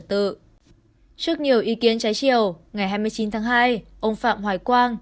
trước nhiều ý kiến trái chiều ngày hai mươi chín tháng hai ông phạm hoài quang